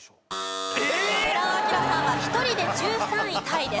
寺尾聰さんは１人で１３位タイです。